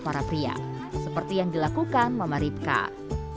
kehendaknya padam panggilan meng globally